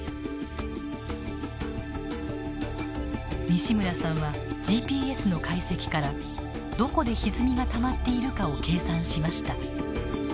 西村さんはＧＰＳの解析からどこでひずみがたまっているかを計算しました。